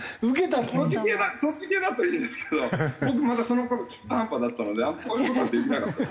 そっち系そっち系だといいんですけど僕まだその頃中途半端だったのであんまりそういう事はできなかった。